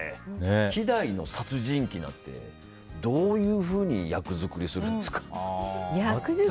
希代の殺人鬼なんてどういうふうに役作りするんですか。